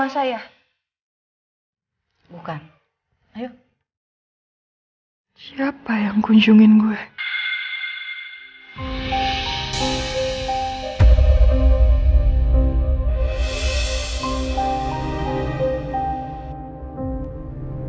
aku sudah cakap denganmu sebelum kehidup records atau itu mungkin pilihan oh iya